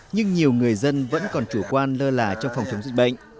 nhưng nhiều người dân vẫn còn chủ quan lơ là trong phòng chống dịch bệnh